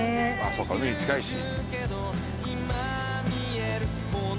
そっか海に近いし。